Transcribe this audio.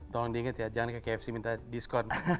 tolong diingat ya jangan ke kfc minta diskon